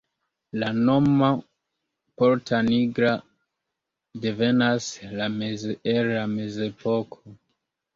La nomo "Porta Nigra" devenas el la mezepoko.